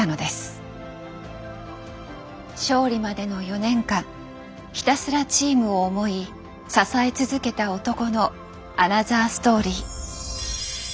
勝利までの４年間ひたすらチームを思い支え続けた男のアナザーストーリー。